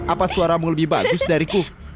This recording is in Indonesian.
apa suaramu lebih bagus dariku